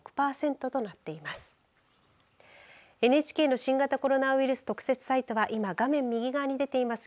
ＮＨＫの新型コロナウイルス特設サイトは今画面右側に出ています